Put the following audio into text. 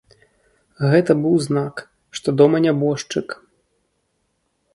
Гэта быў знак, што дома нябожчык.